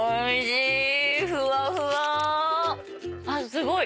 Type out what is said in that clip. すごい。